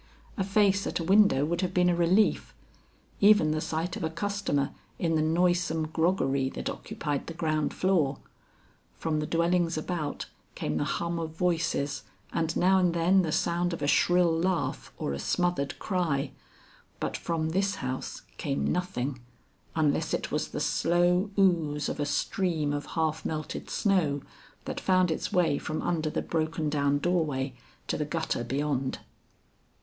A face at a window would have been a relief; even the sight of a customer in the noisome groggery that occupied the ground floor. From the dwellings about, came the hum of voices and now and then the sound of a shrill laugh or a smothered cry, but from this house came nothing, unless it was the slow ooze of a stream of half melted snow that found its way from under the broken down door way to the gutter beyond.